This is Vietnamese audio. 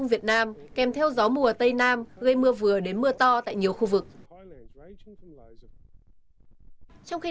vì vậy dự án này thật tuyệt vời